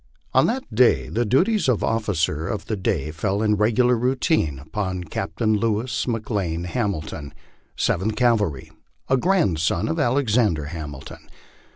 On that day the duties of offi cer of the day fell in regular routine upon Captain Louis McLane Hamilton, Seventh Cavalry, a grandson of Alexander Hamilton.